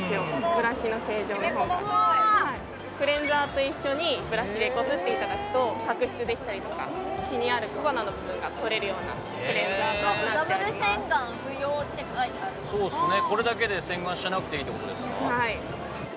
ブラシの形状の方がクレンザーと一緒にブラシでこすっていただくと角質でしたり気になる小鼻の部分が取れるようなクレンザーとなってますって書いてあるってことですか？